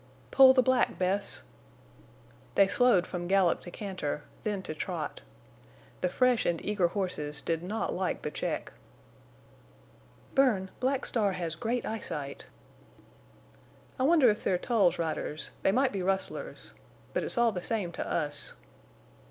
"Pull the black, Bess." They slowed from gallop to canter, then to trot. The fresh and eager horses did not like the check. "Bern, Black Star has great eyesight." "I wonder if they're Tull's riders. They might be rustlers. But it's all the same to us."